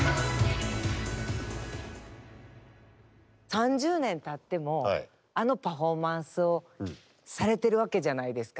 ３０年たってもあのパフォーマンスをされてるわけじゃないですか。